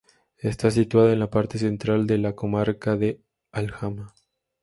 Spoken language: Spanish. Está situada en la parte central de la comarca de Alhama.